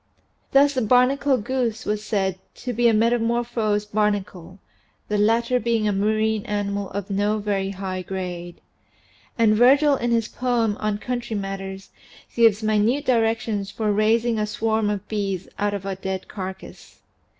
Thus the barnacle goose was said to be a metamor phosed barnacle, the latter being a marine animal of no very high grade. And Virgil in his poem on country matters gives minute directions for raising a swarm of bees out of a dead carcass.